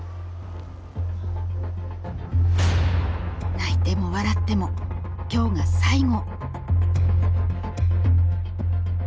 泣いても笑っても今日が最後。